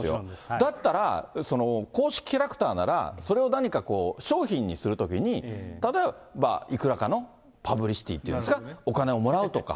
だったら、公式キャラクターなら、それを何か商品にするときに、例えばいくらかのパブリシティーっていうんですか、お金をもらうとか。